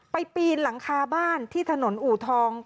ปีนหลังคาบ้านที่ถนนอูทอง